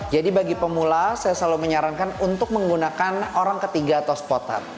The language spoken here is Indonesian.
jadi bagi pemula saya selalu menyarankan untuk menggunakan orang ketiga atau spotter